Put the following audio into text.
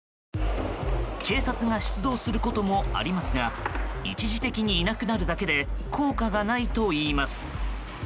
警察が出動することもありますが一時的にいなくなるだけで効果がないといいます。